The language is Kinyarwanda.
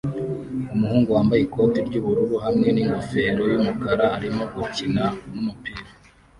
Umuhungu wambaye ikoti ry'ubururu hamwe n'ingofero yumukara arimo gukina numupira